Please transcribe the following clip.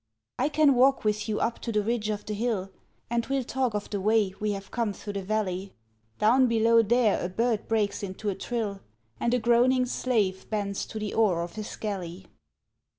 I can walk with you up to the ridge of the hill, And we'll talk of the way we have come through the valley; Down below there a bird breaks into a trill, And a groaning slave bends to the oar of his galley.